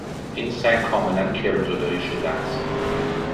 این سگ کاملا کرمزدایی شده است.